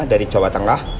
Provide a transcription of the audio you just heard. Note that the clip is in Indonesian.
dari jawa tengah